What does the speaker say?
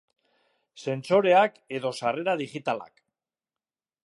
Sentsoreak edo sarrera digitalak.